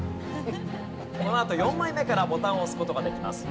このあと４枚目からボタンを押す事ができます。